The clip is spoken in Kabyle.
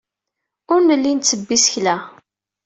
Ur nelli nttebbi isekla.